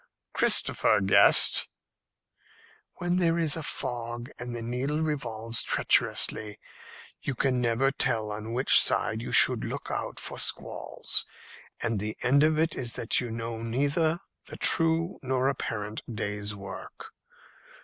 "Christopher guessed." "When there is a fog and the needle revolves treacherously, you can never tell on which side you should look out for squalls, and the end of it is that you know neither the true nor apparent day's work.